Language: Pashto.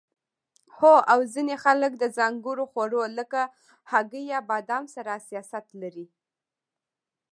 هو او ځینې خلک د ځانګړو خوړو لکه هګۍ یا بادام سره حساسیت لري